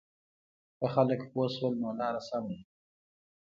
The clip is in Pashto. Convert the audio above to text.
که خلک پوه شول نو لاره سمه ده.